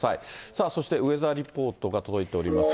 さあそして、ウエザーリポートが届いております。